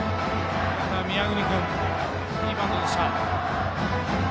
宮國君、いいバントでした。